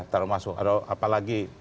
terlalu masuk apalagi